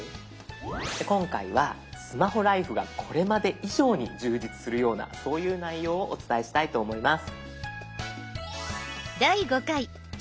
今回はスマホライフがこれまで以上に充実するようなそういう内容をお伝えしたいと思います。